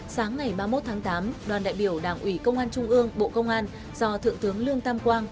sáng ngày ba mươi một tháng tám đoàn đại biểu đảng ủy công an trung ương bộ công an do thượng tướng lương tam quang